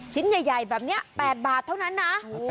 ชิ้นใหญ่แบบนี้๘บาทเท่านั้นนะ